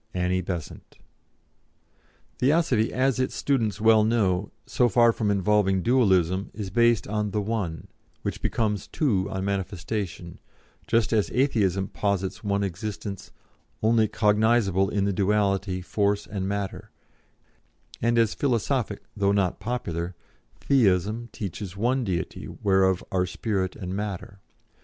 "ANNIE BESANT." Theosophy, as its students well know, so far from involving Dualism, is based on the One, which becomes Two on manifestation, just as Atheism posits one existence, only cognisable in the duality force and matter, and as philosophic though not popular Theism teaches one Deity whereof are spirit and matter.